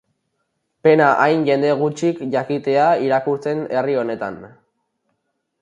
Pena hain jende gutik jakitea irakurtzen herri honetan.